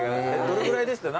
どれぐらいでした？